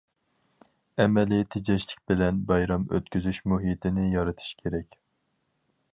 ئەمەلىي تېجەشلىك بىلەن بايرام ئۆتكۈزۈش مۇھىتىنى يارىتىش كېرەك.